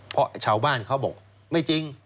เพราะชาวบ้านเขาบอกไม่จริง